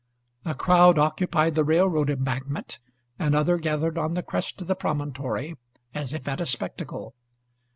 A crowd occupied the railroad embankment, another gathered on the crest of the promontory, as if at a spectacle.